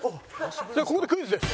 ではここでクイズです。